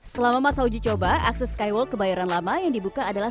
selama masa uji coba akses skywalk kebayoran lama yang dibuka adalah